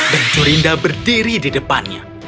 dan jorinda berdiri di depannya